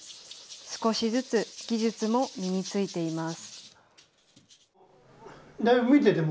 少しずつ技術も身についています。